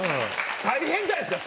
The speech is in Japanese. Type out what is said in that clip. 大変じゃないですか？